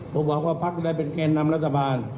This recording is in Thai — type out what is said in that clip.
ผมหวังว่าภักร์จะได้เป็นแกนนำรัฐบาล